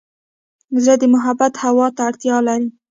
زړه د محبت هوا ته اړتیا لري.